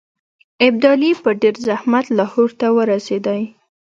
ابدالي په ډېر زحمت لاهور ته ورسېدی.